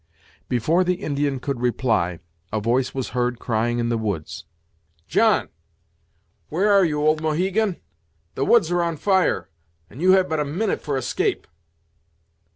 Before the Indian could reply, a voice was heard crying In the woods: "John! where are you, old Mohegan! the woods are on fire, and you have but a minute for escape."